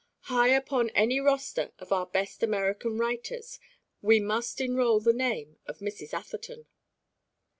High upon any roster of our best American writers we must enroll the name of Mrs. Atherton.